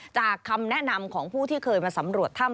คำแนะนำของผู้ที่เคยมาสำรวจถ้ำ